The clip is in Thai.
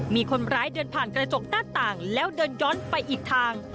มีคนร้ายเดินผ่านกระจกหน้าต่างแล้วเดินย้อนไปอีกทาง